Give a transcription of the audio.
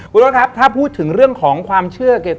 คุณโอ๊ตครับถ้าพูดถึงเรื่องของความเชื่อ